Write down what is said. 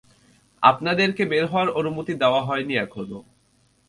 আপনাদেরকে বের হওয়ার অনুমতি দেওয়া হয়নি এখনও।